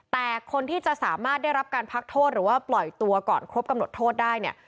แต่คนที่จะสามารถได้รับการพักโทษหรือว่าปล่อยตัวก่อนครบกำหนดโทษได้เนี่ย